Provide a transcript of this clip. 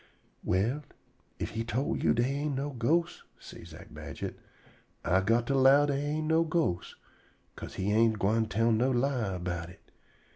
"Well, if he tol' you dey ain' no ghosts," say Zack Badget, "I got to 'low dey ain't no ghosts, 'ca'se he ain't gwine tell no lie erbout it.